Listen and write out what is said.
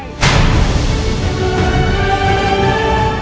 ดูแบบ